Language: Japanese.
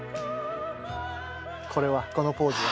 これはこのポーズは？